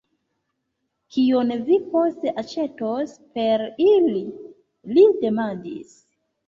Kion vi poste aĉetos per ili? li demandis.